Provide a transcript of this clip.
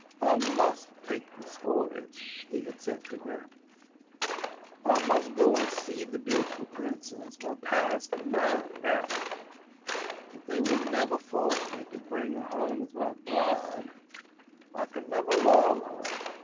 " I must take this voyage," he had said to her; " I must go and see the beautiful princess; my parents demand that, but they will never force me to bring her home as my bride; I can never love her!